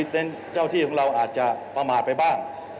เป็นเจ้าที่ของเราอาจจะประมาทไปบ้าง